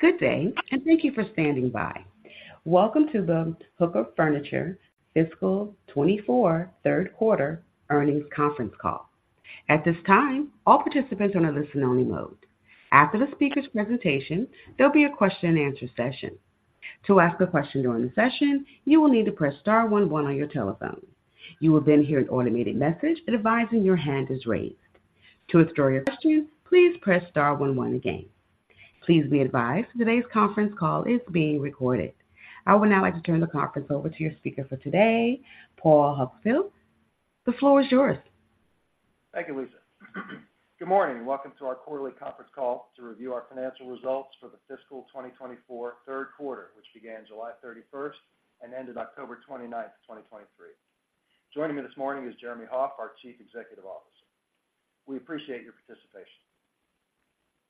Good day, and thank you for standing by. Welcome to the Hooker Furniture Fiscal 2024 Third Quarter Earnings Conference Call. At this time, all participants are on a listen-only mode. After the speaker's presentation, there'll be a question-and-answer session. To ask a question during the session, you will need to press star one one on your telephone. You will then hear an automated message advising your hand is raised. To withdraw your question, please press star one one again. Please be advised, today's conference call is being recorded. I would now like to turn the conference over to your speaker for today, Paul Huckfeldt. The floor is yours. Thank you, Lisa. Good morning, and welcome to our quarterly conference call to review our financial results for the fiscal 2024 third quarter, which began July 31 and ended October 29, 2023. Joining me this morning is Jeremy Hoff, our Chief Executive Officer. We appreciate your participation.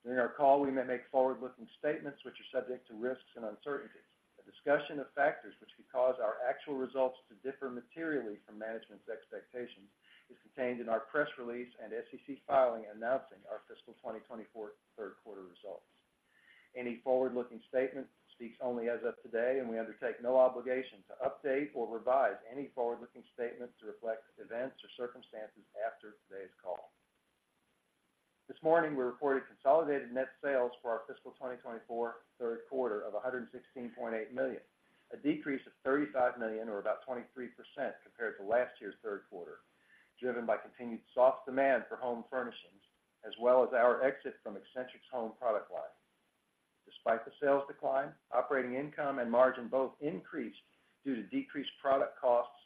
During our call, we may make forward-looking statements which are subject to risks and uncertainties. A discussion of factors which could cause our actual results to differ materially from management's expectations is contained in our press release and SEC filing, announcing our fiscal 2024 third quarter results. Any forward-looking statement speaks only as of today, and we undertake no obligation to update or revise any forward-looking statements to reflect events or circumstances after today's call. This morning, we reported consolidated net sales for our fiscal 2024 third quarter of $116.8 million, a decrease of $35 million or about 23% compared to last year's third quarter, driven by continued soft demand for home furnishings, as well as our exit from Accentrics Home product line. Despite the sales decline, operating income and margin both increased due to decreased product costs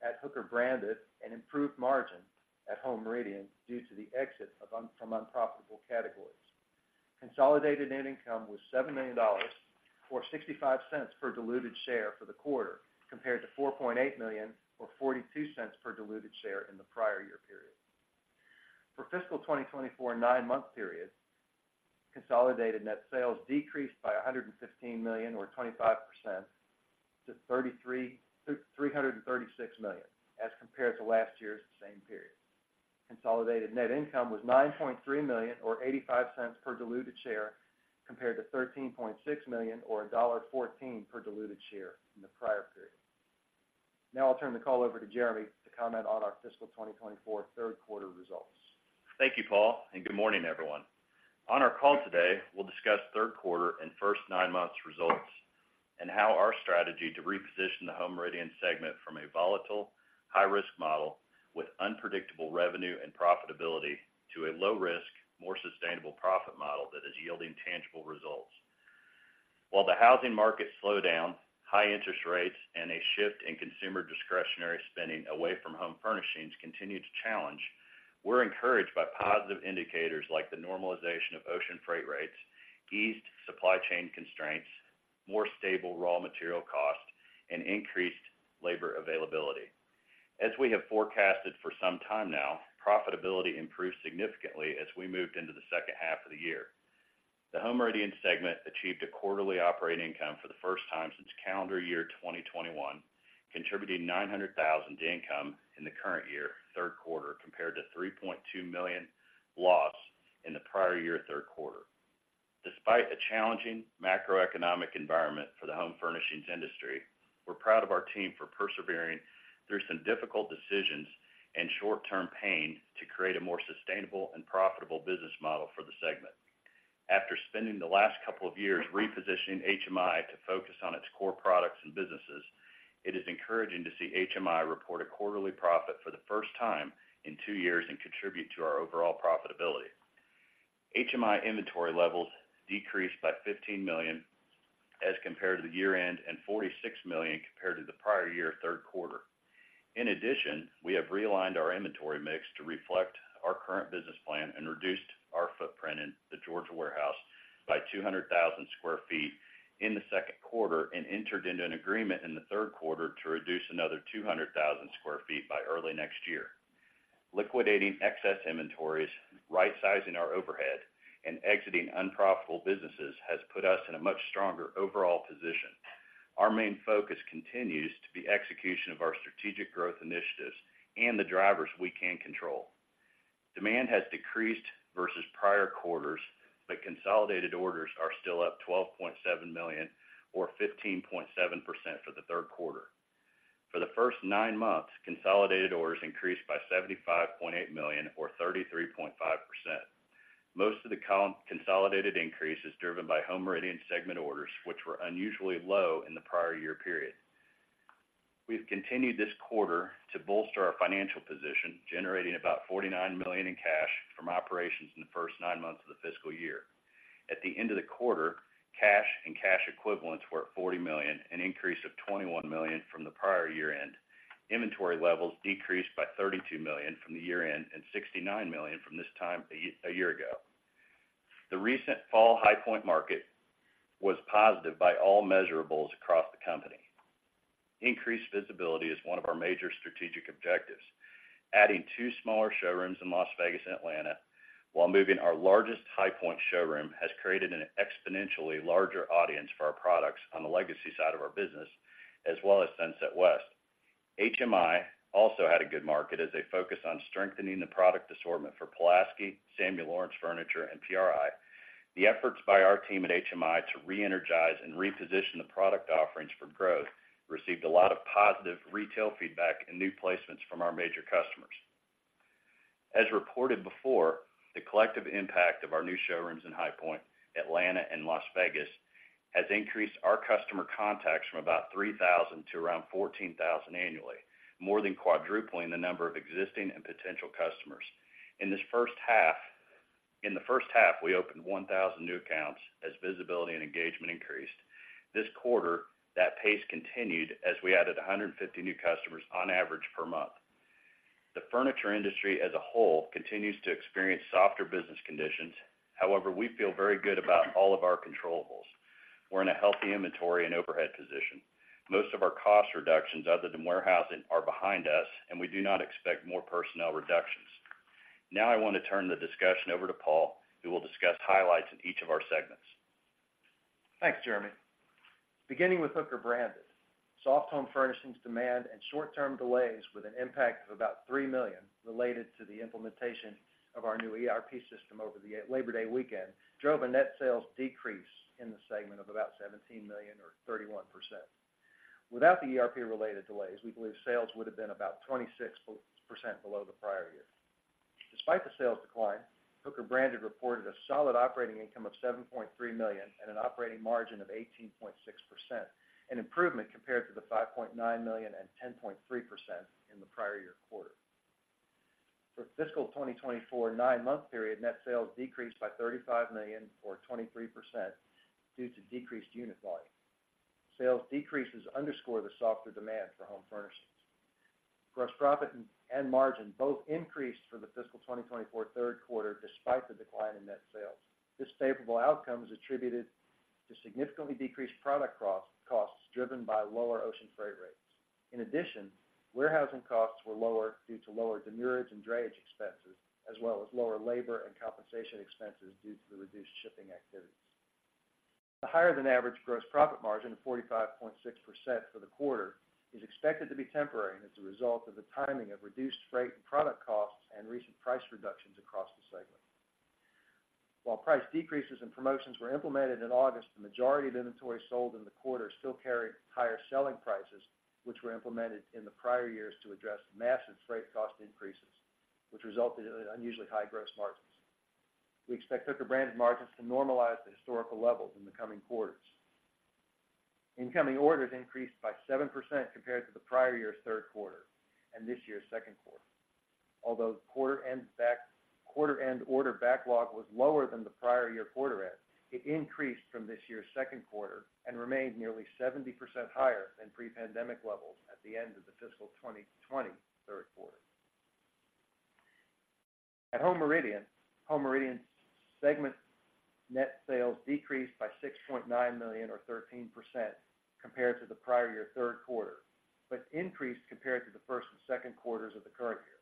at Hooker Branded and improved margin at Home Meridian due to the exit from unprofitable categories. Consolidated net income was $7 million or $0.65 per diluted share for the quarter, compared to $4.8 million or $0.42 per diluted share in the prior year period. For fiscal 2024 9-month period, consolidated net sales decreased by $115 million, or 25% to $333.336 million, as compared to last year's same period. Consolidated net income was $9.3 million or $0.85 per diluted share, compared to $13.6 million or $1.14 per diluted share in the prior period. Now I'll turn the call over to Jeremy to comment on our fiscal 2024 third quarter results. Thank you, Paul, and good morning, everyone. On our call today, we'll discuss third quarter and first nine months results, and how our strategy to reposition the Home Meridian segment from a volatile, high-risk model with unpredictable revenue and profitability to a low-risk, more sustainable profit model that is yielding tangible results. While the housing market slowdown, high interest rates and a shift in consumer discretionary spending away from home furnishings continue to challenge, we're encouraged by positive indicators like the normalization of ocean freight rates, eased supply chain constraints, more stable raw material costs, and increased labor availability. As we have forecasted for some time now, profitability improved significantly as we moved into the second half of the year. The Home Meridian segment achieved a quarterly operating income for the first time since calendar year 2021, contributing $900,000 to income in the current year, third quarter, compared to $3.2 million loss in the prior year, third quarter. Despite a challenging macroeconomic environment for the home furnishings industry, we're proud of our team for persevering through some difficult decisions and short-term pain to create a more sustainable and profitable business model for the segment. After spending the last couple of years repositioning HMI to focus on its core products and businesses, it is encouraging to see HMI report a quarterly profit for the first time in two years and contribute to our overall profitability. HMI inventory levels decreased by $15 million as compared to the year-end, and $46 million compared to the prior year, third quarter. In addition, we have realigned our inventory mix to reflect our current business plan and reduced our footprint in the Georgia warehouse by 200,000 sq ft in the second quarter and entered into an agreement in the third quarter to reduce another 200,000 sq ft by early next year. Liquidating excess inventories, rightsizing our overhead, and exiting unprofitable businesses has put us in a much stronger overall position. Our main focus continues to be execution of our strategic growth initiatives and the drivers we can control. Demand has decreased versus prior quarters, but consolidated orders are still up $12.7 million or 15.7% for the third quarter. For the first nine months, consolidated orders increased by $75.8 million or 33.5%. Most of the consolidated increase is driven by Home Meridian segment orders, which were unusually low in the prior year period. We've continued this quarter to bolster our financial position, generating about $49 million in cash from operations in the first nine months of the fiscal year. At the end of the quarter, cash and cash equivalents were at $40 million, an increase of $21 million from the prior year end. Inventory levels decreased by $32 million from the year-end and $69 million from this time a year ago. The recent fall High Point Market was positive by all measurables across the company. Increased visibility is one of our major strategic objectives. Adding two smaller showrooms in Las Vegas and Atlanta, while moving our largest High Point showroom, has created an exponentially larger audience for our products on the legacy side of our business, as well as Sunset West. HMI also had a good market as they focused on strengthening the product assortment for Pulaski, Samuel Lawrence Furniture, and PRI. The efforts by our team at HMI to re-energize and reposition the product offerings for growth received a lot of positive retail feedback and new placements from our major customers. As reported before, the collective impact of our new showrooms in High Point, Atlanta, and Las Vegas has increased our customer contacts from about 3,000 to around 14,000 annually, more than quadrupling the number of existing and potential customers. In the first half, we opened 1,000 new accounts as visibility and engagement increased. This quarter, that pace continued as we added 150 new customers on average per month. The furniture industry as a whole continues to experience softer business conditions. However, we feel very good about all of our controllables. We're in a healthy inventory and overhead position. Most of our cost reductions other than warehousing, are behind us, and we do not expect more personnel reductions. Now, I want to turn the discussion over to Paul, who will discuss highlights in each of our segments. Thanks, Jeremy. Beginning with Hooker Branded, soft home furnishings demand and short-term delays with an impact of about $3 million related to the implementation of our new ERP system over the Labor Day weekend, drove a net sales decrease in the segment of about $17 million or 31%. Without the ERP-related delays, we believe sales would have been about 26% below the prior year. Despite the sales decline, Hooker Branded reported a solid operating income of $7.3 million and an operating margin of 18.6%, an improvement compared to the $5.9 million and 10.3% in the prior year quarter. For fiscal 2024, nine-month period, net sales decreased by $35 million or 23% due to decreased unit volume. Sales decreases underscore the softer demand for home furnishings. Gross profit and margin both increased for the fiscal 2024 third quarter, despite the decline in net sales. This favorable outcome is attributed to significantly decreased product costs, costs driven by lower ocean freight rates. In addition, warehousing costs were lower due to lower demurrage and drayage expenses, as well as lower labor and compensation expenses due to the reduced shipping activities. The higher than average gross profit margin of 45.6% for the quarter is expected to be temporary and as a result of the timing of reduced freight and product costs and recent price reductions across the segment. While price decreases and promotions were implemented in August, the majority of inventory sold in the quarter still carried higher selling prices, which were implemented in the prior years to address the massive freight cost increases, which resulted in unusually high gross margins. We expect Hooker Branded margins to normalize the historical levels in the coming quarters. Incoming orders increased by 7% compared to the prior year's third quarter and this year's second quarter. Although quarter-end order backlog was lower than the prior year quarter end, it increased from this year's second quarter and remained nearly 70% higher than pre-pandemic levels at the end of the fiscal 2023 third quarter. At Home Meridian, Home Meridian segment net sales decreased by $6.9 million, or 13% compared to the prior year third quarter, but increased compared to the first and second quarters of the current year.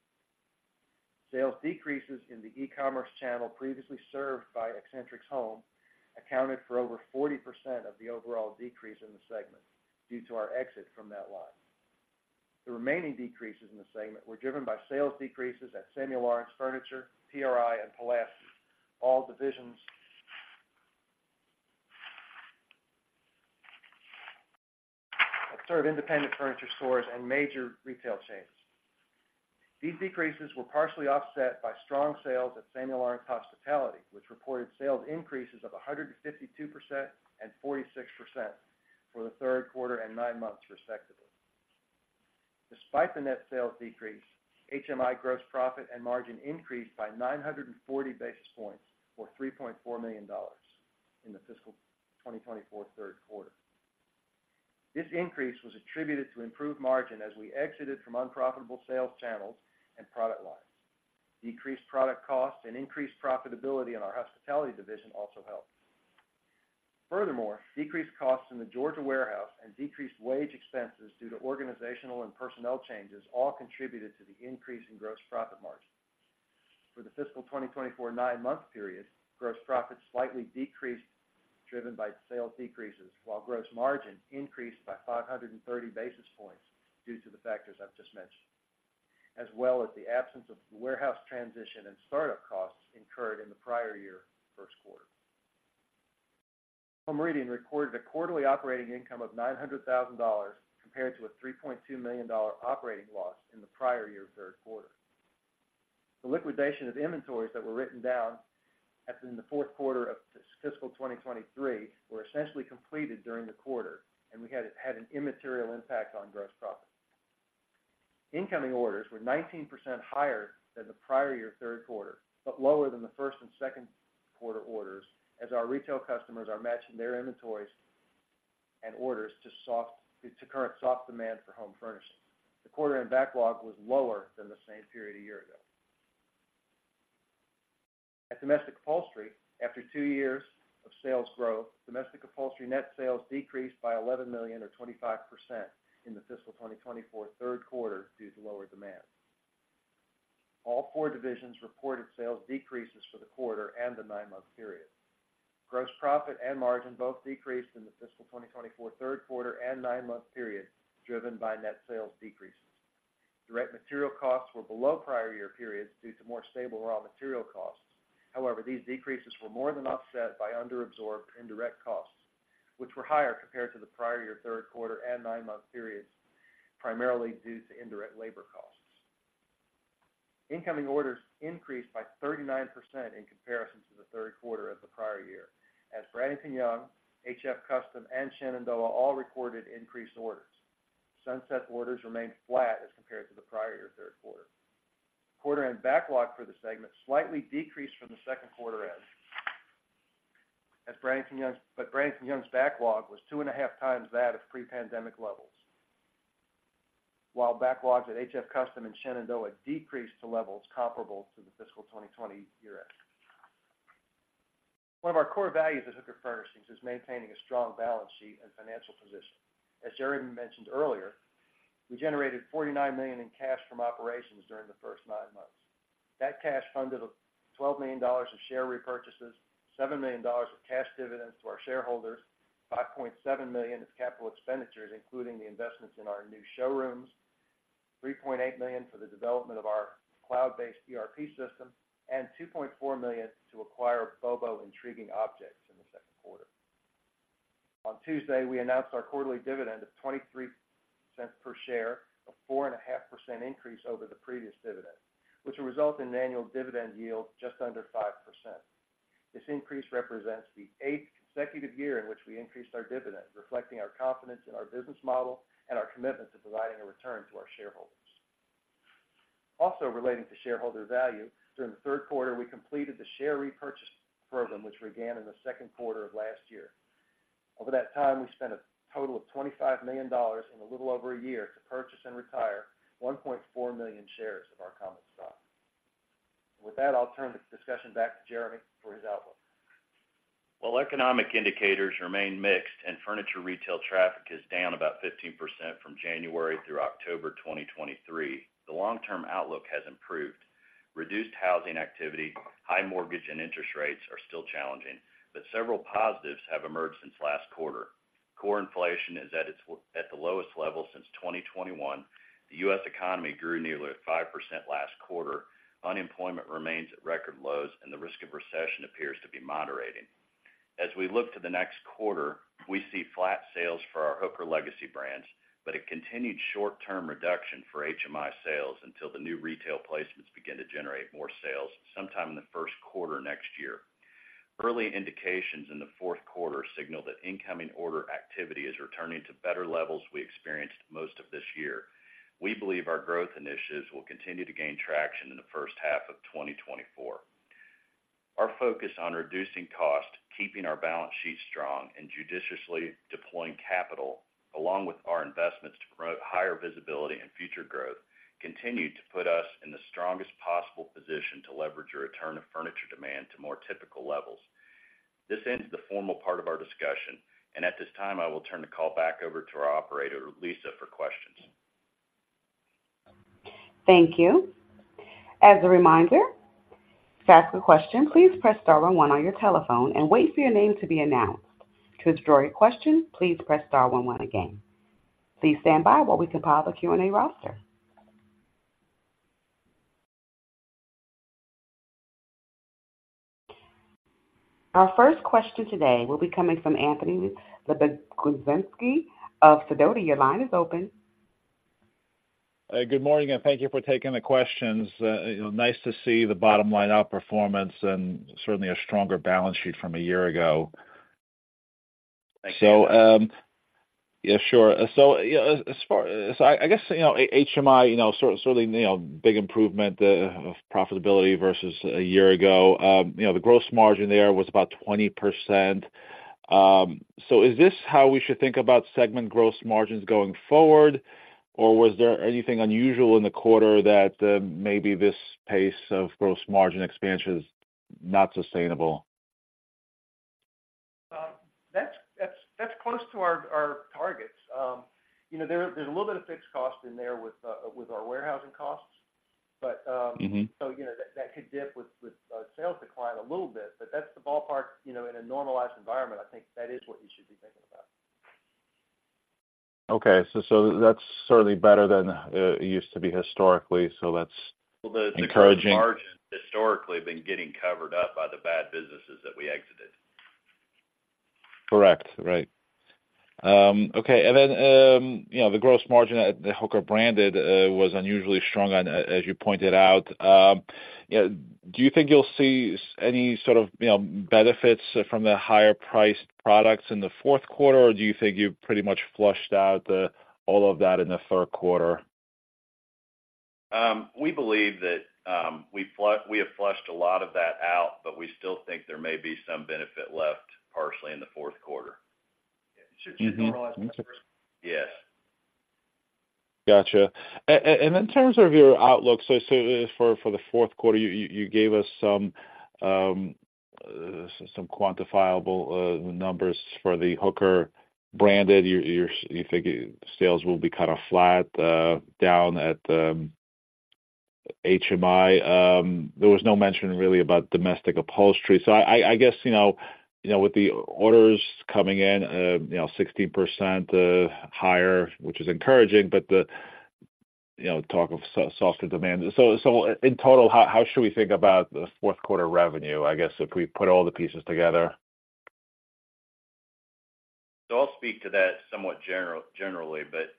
Sales decreases in the e-commerce channel previously served by Accentrics Home accounted for over 40% of the overall decrease in the segment due to our exit from that line. The remaining decreases in the segment were driven by sales decreases at Samuel Lawrence Furniture, PRI, and Pulaski. All divisions that serve independent furniture stores and major retail chains. These decreases were partially offset by strong sales at Samuel Lawrence Hospitality, which reported sales increases of 152% and 46% for the third quarter and nine months, respectively. Despite the net sales decrease, HMI gross profit and margin increased by 940 basis points or $3.4 million in the fiscal 2024 third quarter. This increase was attributed to improved margin as we exited from unprofitable sales channels and product lines. Decreased product costs and increased profitability in our hospitality division also helped. Furthermore, decreased costs in the Georgia warehouse and decreased wage expenses due to organizational and personnel changes, all contributed to the increase in gross profit margin. For the fiscal 2024 nine-month period, gross profit slightly decreased, driven by sales decreases, while gross margin increased by 530 basis points due to the factors I've just mentioned, as well as the absence of warehouse transition and startup costs incurred in the prior year first quarter. Home Meridian recorded a quarterly operating income of $900,000, compared to a $3.2 million operating loss in the prior year third quarter. The liquidation of inventories that were written down in the fourth quarter of fiscal 2023 were essentially completed during the quarter, and we had an immaterial impact on gross profit. Incoming orders were 19% higher than the prior year third quarter, but lower than the first and second quarter orders, as our retail customers are matching their inventories and orders to current soft demand for home furnishings. The quarter-end backlog was lower than the same period a year ago. At Domestic Upholstery, after two years of sales growth, Domestic Upholstery net sales decreased by $11 million or 25% in the fiscal 2024 third quarter due to lower demand. All four divisions reported sales decreases for the quarter and the 9-month period. Gross profit and margin both decreased in the fiscal 2024 third quarter and nine-month period, driven by net sales decreases. Direct material costs were below prior year periods due to more stable raw material costs. However, these decreases were more than offset by under-absorbed indirect costs, which were higher compared to the prior year, third quarter and nine-month periods, primarily due to indirect labor costs. Incoming orders increased by 39% in comparison to the third quarter of the prior year, as Bradington-Young, HF Custom, and Shenandoah all recorded increased orders. Sunset West orders remained flat as compared to the prior year, third quarter. Quarter-end backlog for the segment slightly decreased from the second quarter end. As Bradington-Young's backlog was 2.5x that of pre-pandemic levels, while backlogs at HF Custom and Shenandoah decreased to levels comparable to the fiscal 2020 year end. One of our core values at Hooker Furnishings is maintaining a strong balance sheet and financial position. As Jeremy mentioned earlier, we generated $49 million in cash from operations during the first nine months. That cash funded $12 million of share repurchases, $7 million of cash dividends to our shareholders, $5.7 million of capital expenditures, including the investments in our new showrooms, $3.8 million for the development of our cloud-based ERP system, and $2.4 million to acquire BOBO Intriguing Objects in the second quarter. On Tuesday, we announced our quarterly dividend of $0.23 per share, a 4.5% increase over the previous dividend, which will result in an annual dividend yield just under 5%. This increase represents the eighth consecutive year in which we increased our dividend, reflecting our confidence in our business model and our commitment to providing a return to our shareholders. Also relating to shareholder value, during the third quarter, we completed the share repurchase program, which began in the second quarter of last year. Over that time, we spent a total of $25 million in a little over a year to purchase and retire 1.4 million shares of our common stock. With that, I'll turn the discussion back to Jeremy for his outlook. While economic indicators remain mixed and furniture retail traffic is down about 15% from January through October 2023, the long-term outlook has improved. Reduced housing activity, high mortgage and interest rates are still challenging, but several positives have emerged since last quarter. Core inflation is at its lowest level since 2021. The U.S. economy grew nearly at 5% last quarter. Unemployment remains at record lows, and the risk of recession appears to be moderating. As we look to the next quarter, we see flat sales for our Hooker legacy brands, but a continued short-term reduction for HMI sales until the new retail placements begin to generate more sales sometime in the first quarter next year. Early indications in the fourth quarter signal that incoming order activity is returning to better levels we experienced most of this year. We believe our growth initiatives will continue to gain traction in the first half of 2024. Our focus on reducing cost, keeping our balance sheet strong, and judiciously deploying capital, along with our investments to promote higher visibility and future growth, continue to put us in the strongest possible position to leverage a return of furniture demand to more typical levels. This ends the formal part of our discussion, and at this time, I will turn the call back over to our operator, Lisa, for questions. Thank you. As a reminder, to ask a question, please press star one one on your telephone and wait for your name to be announced. To withdraw your question, please press star one one again. Please stand by while we compile the Q&A roster. Our first question today will be coming from Anthony Lebiedzinski of Sidoti. Your line is open. Good morning, and thank you for taking the questions. You know, nice to see the bottom line outperformance and certainly a stronger balance sheet from a year ago. Thank you. So, yeah, sure. So, I guess, you know, HMI, you know, sort of, certainly, you know, big improvement of profitability versus a year ago. You know, the Gross Margin there was about 20%. So, is this how we should think about segment Gross Margins going forward, or was there anything unusual in the quarter that maybe this pace of Gross Margin expansion is not sustainable? That's close to our targets. You know, there's a little bit of fixed cost in there with our warehousing costs, but Mm-hmm. So, you know, that could dip with sales decline a little bit, but that's the ballpark, you know, in a normalized environment, I think that is what you should be thinking about. Okay. So that's certainly better than it used to be historically. So that's encouraging. Margin historically been getting covered up by the bad businesses that we exited. Correct. Right. Okay, and then, you know, the gross margin at the Hooker Branded was unusually strong on, as, as you pointed out. You know, do you think you'll see any sort of, you know, benefits from the higher-priced products in the fourth quarter, or do you think you've pretty much flushed out the, all of that in the third quarter? We believe that we have flushed a lot of that out, but we still think there may be some benefit left partially in the fourth quarter. Should normalize- Mm-hmm. Yes. Gotcha. And in terms of your outlook, so for the fourth quarter, you gave us some quantifiable numbers for the Hooker Branded. You think sales will be kind of flat, down at the HMI. There was no mention really about domestic upholstery. So I guess, you know, with the orders coming in, you know, 16% higher, which is encouraging, but the talk of softer demand. So in total, how should we think about the fourth quarter revenue? I guess if we put all the pieces together. So I'll speak to that somewhat generally, but,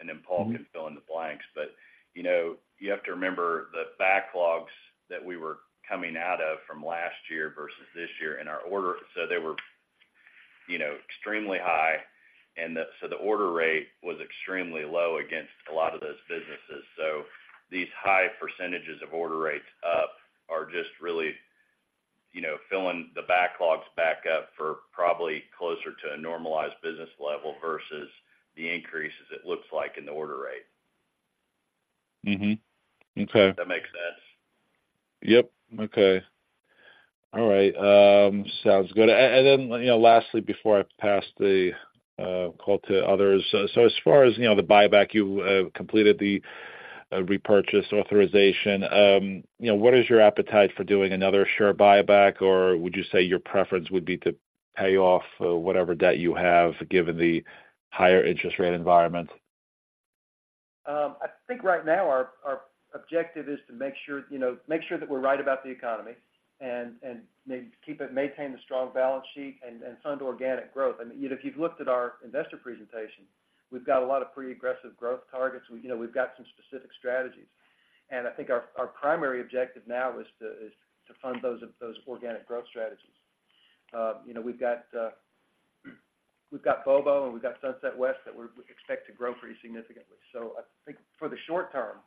and then Paul can- Mm-hmm... fill in the blanks. But, you know, you have to remember the backlogs that we were coming out of from last year versus this year in our order. So they were, you know, extremely high, and so the order rate was extremely low against a lot of those businesses. So these high percentages of order rates up are just really, you know, filling the backlogs back up for probably closer to a normalized business level versus the increases it looks like in the order rate. Mm-hmm. Okay. If that makes sense. Yep. Okay. All right, sounds good. And then, you know, lastly, before I pass the call to others. So as far as, you know, the buyback, you completed the repurchase authorization, you know, what is your appetite for doing another share buyback? Or would you say your preference would be to pay off whatever debt you have, given the higher interest rate environment? I think right now our objective is to make sure, you know, make sure that we're right about the economy and maintain the strong balance sheet and fund organic growth. I mean, you know, if you've looked at our investor presentation, we've got a lot of pretty aggressive growth targets. You know, we've got some specific strategies. And I think our primary objective now is to fund those organic growth strategies. You know, we've got Bobo, and we've got Sunset West that we expect to grow pretty significantly. So I think for the short term,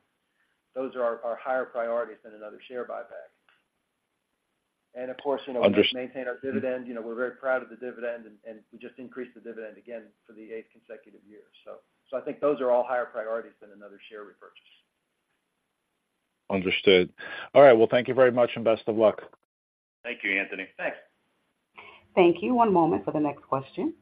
those are our higher priorities than another share buyback. And of course, you know- Under- - maintain our dividend. You know, we're very proud of the dividend, and we just increased the dividend again for the eighth consecutive year. So, I think those are all higher priorities than another share repurchase. Understood. All right, well, thank you very much, and best of luck. Thank you, Anthony. Thanks. Thank you. One moment for the next question.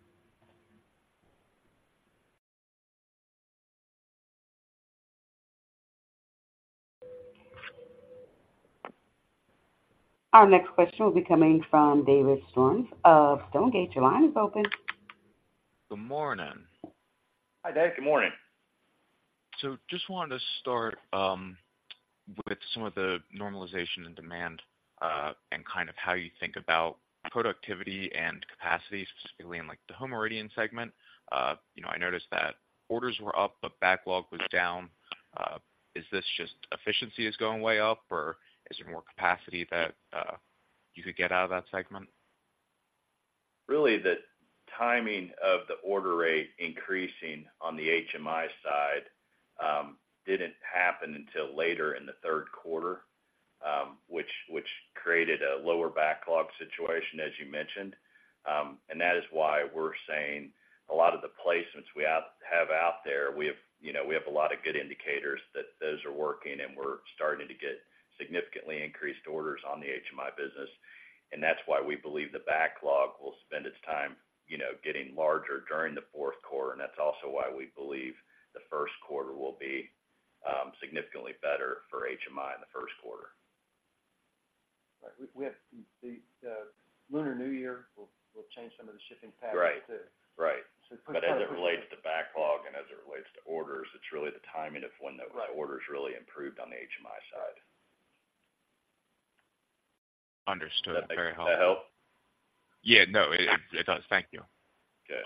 Our next question will be coming from David Storms of Stonegate. Your line is open. Good morning. Hi, Dave. Good morning. So just wanted to start with some of the normalization and demand, and kind of how you think about productivity and capacity, specifically in, like, the Home Meridian segment. You know, I noticed that orders were up, but backlog was down. Is this just efficiency is going way up, or is there more capacity that you could get out of that segment? Really, the timing of the order rate increasing on the HMI side didn't happen until later in the third quarter, which created a lower backlog situation, as you mentioned. And that is why we're saying a lot of the placements we have out there, you know, we have a lot of good indicators that those are working, and we're starting to get significantly increased orders on the HMI business. And that's why we believe the backlog will spend its time, you know, getting larger during the fourth quarter, and that's also why we believe the first quarter will be significantly better for HMI in the first quarter. Right. We have the Lunar New Year will change some of the shipping patterns, too. Right. Right. So- But as it relates to backlog and as it relates to orders, it's really the timing of when the- Right... orders really improved on the HMI side. Understood. Very helpful. That help? Yeah, no, it does. Thank you. Okay.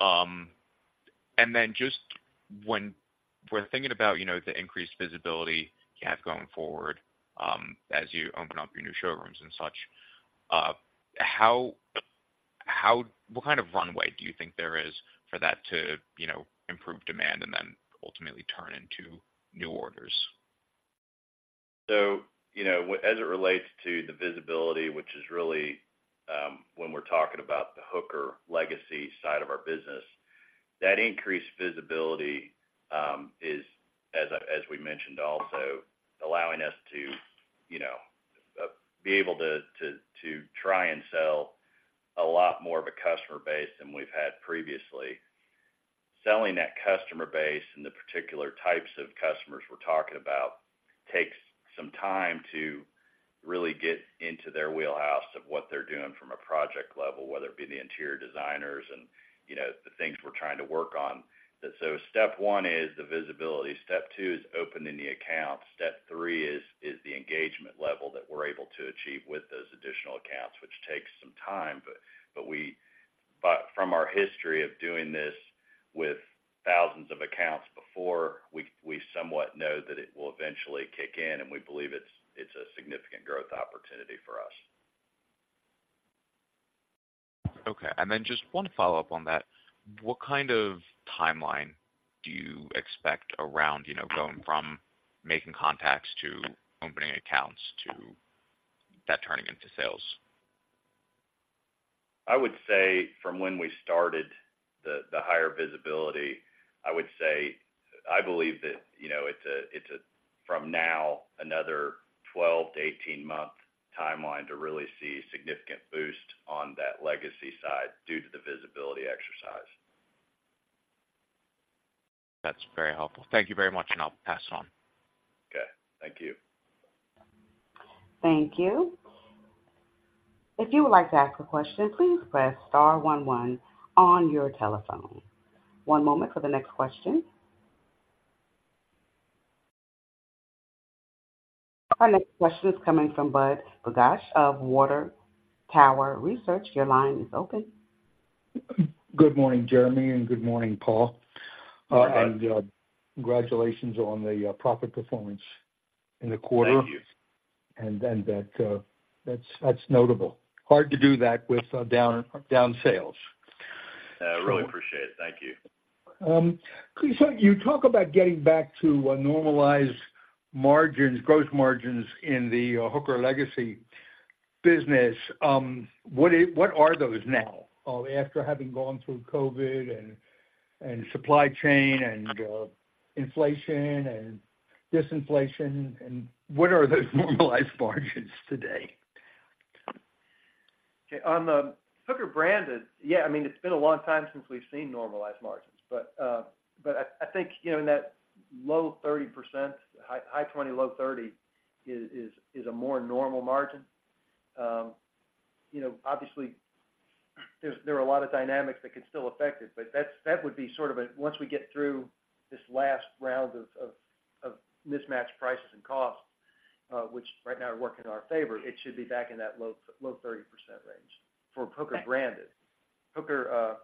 And then just when we're thinking about, you know, the increased visibility you have going forward, as you open up your new showrooms and such, how, what kind of runway do you think there is for that to, you know, improve demand and then ultimately turn into new orders? So, you know, as it relates to the visibility, which is really, when we're talking about the Hooker legacy side of our business, that increased visibility is, as we mentioned, also allowing us to, you know, be able to try and sell a lot more of a customer base than we've had previously. Selling that customer base and the particular types of customers we're talking about takes some time to really get into their wheelhouse of what they're doing from a project level, whether it be the interior designers and, you know, the things we're trying to work on. So step one is the visibility, step two is opening the account, step three is the engagement level that we're able to achieve with those additional accounts, which takes some time. But from our history of doing this with thousands of accounts before, we somewhat know that it will eventually kick in, and we believe it's a significant growth opportunity for us. Okay. And then just one follow-up on that. What kind of timeline do you expect around, you know, going from making contacts to opening accounts to that turning into sales? I would say from when we started the higher visibility, I would say, I believe that, you know, it's a, it's a from now, another 12-18 month timeline to really see significant boost on that legacy side due to the visibility exercise. That's very helpful. Thank you very much, and I'll pass on. Okay, thank you. Thank you. If you would like to ask a question, please press star one, one on your telephone. One moment for the next question. Our next question is coming from Budd Bugatch of Water Tower Research. Your line is open. Good morning, Jeremy, and good morning, Paul. Hi. Congratulations on the profit performance in the quarter. Thank you. And then that, that's notable. Hard to do that with down sales. Yeah, I really appreciate it. Thank you. You talk about getting back to a normalized margins, gross margins in the Hooker legacy business. What are those now, after having gone through COVID and supply chain and inflation and disinflation, and what are those normalized margins today? Okay, on the Hooker Branded, yeah, I mean, it's been a long time since we've seen normalized margins. But, but I think, you know, in that low 30%, high 20, low 30 is a more normal margin. You know, obviously, there are a lot of dynamics that can still affect it, but that would be sort of a once we get through this last round of mismatched prices and costs, which right now are working in our favor, it should be back in that low 30% range for Hooker Branded. Thanks. Hooker,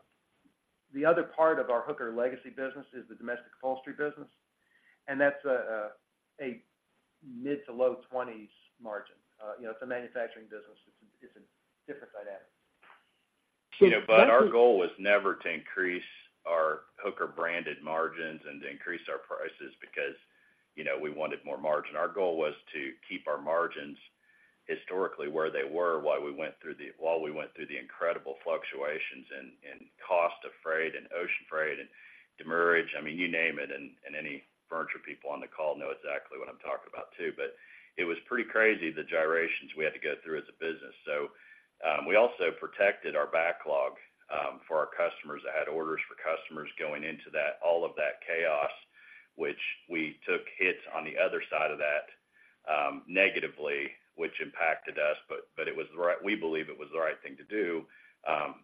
the other part of our Hooker legacy business is the domestic upholstery business, and that's a mid- to low-20s margin. You know, it's a manufacturing business. It's a different dynamic. You know, but our goal was never to increase our Hooker Branded margins and to increase our prices because, you know, we wanted more margin. Our goal was to keep our margins historically where they were while we went through the incredible fluctuations in cost of freight and ocean freight and demurrage. I mean, you name it, and any furniture people on the call know exactly what I'm talking about, too. But it was pretty crazy, the gyrations we had to go through as a business. So, we also protected our backlog for our customers that had orders for customers going into that all of that chaos, which we took hits on the other side of that negatively, which impacted us. But it was the right thing to do,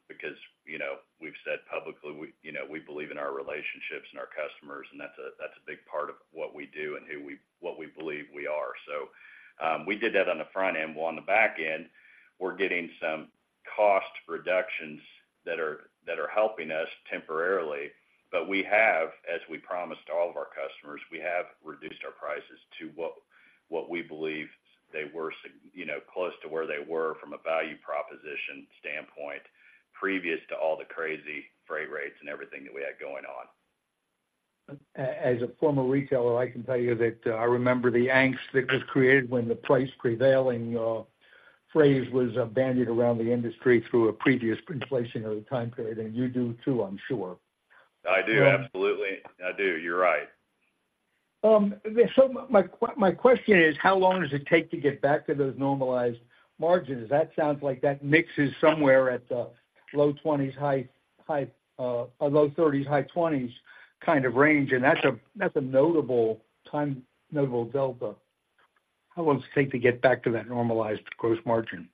because, you know, we've said publicly, you know, we believe in our relationships and our customers, and that's a big part of what we do and what we believe we are. So, we did that on the front end. Well, on the back end, we're getting some cost reductions that are helping us temporarily. But we have, as we promised all of our customers, we have reduced our prices to what we believe they were, you know, close to where they were from a value proposition standpoint, previous to all the crazy freight rates and everything that we had going on. As a former retailer, I can tell you that, I remember the angst that was created when the price prevailing phrase was abandoned around the industry through a previous inflationary time period, and you do, too, I'm sure. I do, absolutely. I do. You're right. So my question is, how long does it take to get back to those normalized margins? That sounds like that mix is somewhere at the low 20s, high 20s or low 30s, high 20s kind of range, and that's a notable time, notable delta. How long does it take to get back to that normalized gross margin?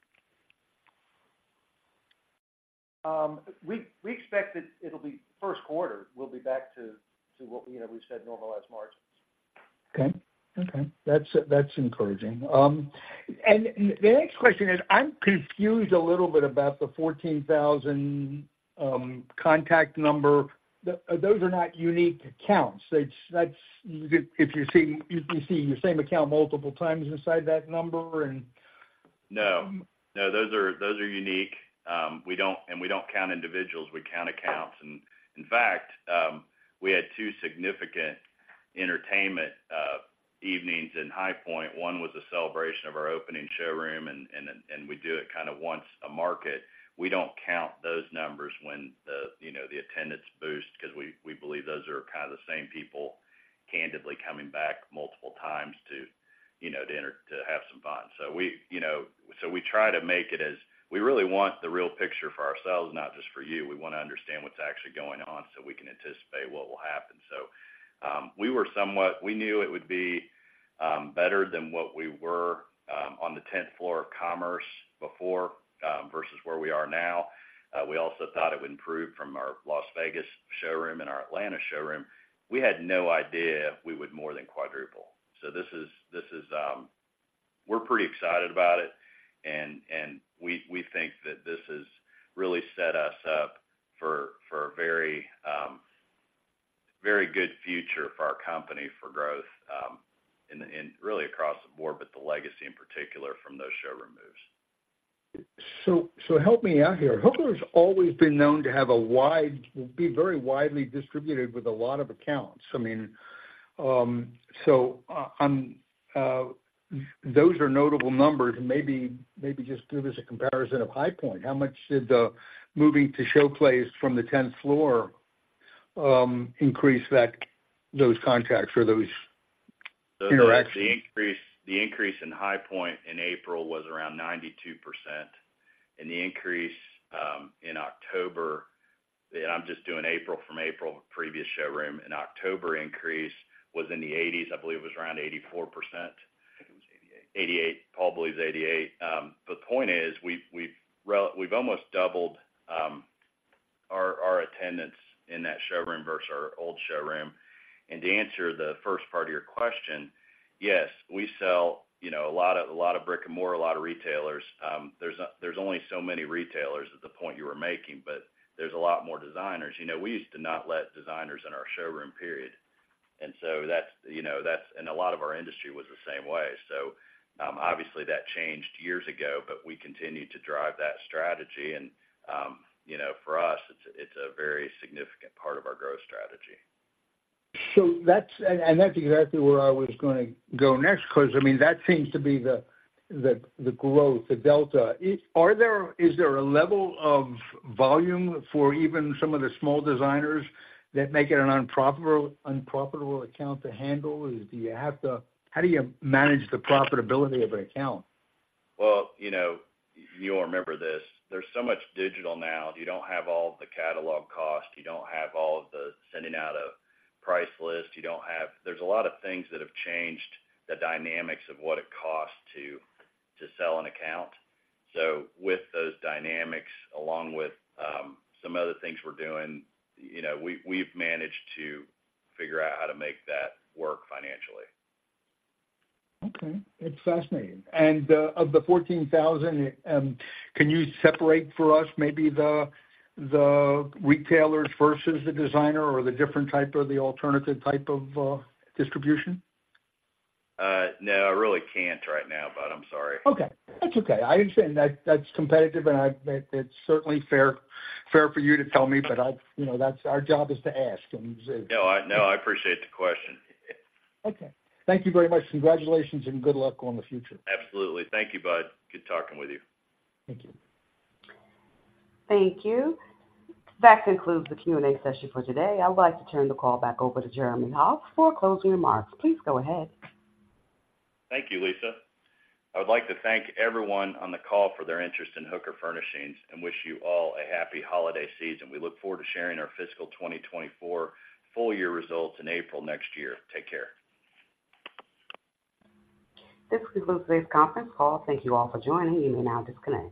We expect that it'll be first quarter, we'll be back to what, you know, we said, normalized margins. Okay. Okay, that's, that's encouraging. The next question is, I'm confused a little bit about the 14,000 contact number. Those are not unique accounts. It's, that's... If you're seeing, you're seeing your same account multiple times inside that number and- No. No, those are, those are unique. We don't, and we don't count individuals, we count accounts. And in fact, we had two significant entertainment evenings in High Point. One was a celebration of our opening showroom, and we do it kind of once a market. We don't count those numbers when the, you know, the attendance boosts because we believe those are kind of the same people candidly coming back multiple times to, you know, to have some fun. So we, you know, so we try to make it as... We really want the real picture for ourselves, not just for you. We want to understand what's actually going on, so we can anticipate what will happen. So, we were somewhat, we knew it would be better than what we were on the tenth floor of Commerce before, versus where we are now. We also thought it would improve from our Las Vegas showroom and our Atlanta showroom. We had no idea we would more than quadruple. So this is, this is... We're pretty excited about it, and, and we, we think that this has really set us up for, for a very, very good future for our company, for growth, in, in really across the board, but the legacy in particular from those showroom moves. So, help me out here. Hooker has always been known to have a wide be very widely distributed with a lot of accounts. I mean, those are notable numbers, and maybe just do a comparison of High Point. How much did the moving to Showplace from the tenth floor increase those contacts or those interactions? The increase in High Point in April was around 92%, and the increase in October, I'm just doing April from April, previous showroom. In October, increase was in the 80s, I believe it was around 84%. I think it was 88. 88. Paul believes 88. But the point is, we've almost doubled our attendance in that showroom versus our old showroom. And to answer the first part of your question, yes, we sell, you know, a lot of brick-and-mortar, a lot of retailers. There's only so many retailers at the point you were making, but there's a lot more designers. You know, we used to not let designers in our showroom, period. And so that's, you know, that's- and a lot of our industry was the same way. So, obviously, that changed years ago, but we continued to drive that strategy. And, you know, for us, it's a very significant part of our growth strategy. So that's and that's exactly where I was gonna go next, because, I mean, that seems to be the growth, the delta. Is there a level of volume for even some of the small designers that make it an unprofitable account to handle? Do you have to... How do you manage the profitability of an account? Well, you know, you'll remember this: there's so much digital now. You don't have all the catalog costs, you don't have all of the sending out of price lists, you don't have... There's a lot of things that have changed the dynamics of what it costs to sell an account. So with those dynamics, along with some other things we're doing, you know, we've managed to figure out how to make that work financially. Okay, that's fascinating. And, of the 14,000, can you separate for us maybe the retailers versus the designer or the different type or the alternative type of distribution? No, I really can't right now, Bud. I'm sorry. Okay. That's okay. I understand that, that's competitive, and it's certainly fair for you to tell me, but I... You know, that's our job is to ask, and- No, I appreciate the question. Okay. Thank you very much. Congratulations and good luck on the future. Absolutely. Thank you, Bud. Good talking with you. Thank you. Thank you. That concludes the Q&A session for today. I would like to turn the call back over to Jeremy Hoff for closing remarks. Please go ahead. Thank you, Lisa. I would like to thank everyone on the call for their interest in Hooker Furnishings and wish you all a happy holiday season. We look forward to sharing our fiscal 2024 full year results in April next year. Take care. This concludes today's conference call. Thank you all for joining. You may now disconnect.